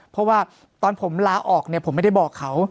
เพราะว่าตอนผมลาออกเนี่ยผมไม่ได้บอกเขา